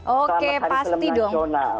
oke pasti dong